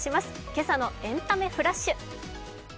今朝の「エンタメフラッシュ」。